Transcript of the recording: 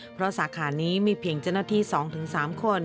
เพราะสาขานี้มีเพียงเจ้าหน้าที่๒๓คน